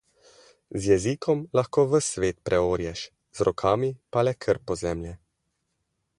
Z jezikom lahko ves svet preorješ, z rokami pa le krpo zemlje.